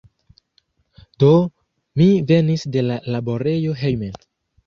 Do mi venis de la laborejo hejmen.